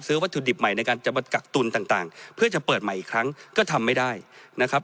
วัตถุดิบใหม่ในการจะมากักตุลต่างเพื่อจะเปิดใหม่อีกครั้งก็ทำไม่ได้นะครับ